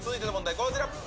こちら。